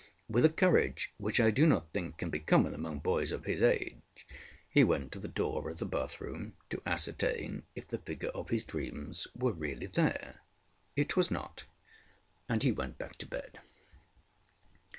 With a courage which I do not think can be common among boys of his age, he went to the door of the bathroom to ascertain if the figure of his dream were really there. It was not, and he went back to bed.